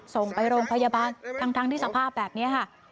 ส่งไปโรงพยาบาลทั้งที่สภาพแบบนี้ค่ะ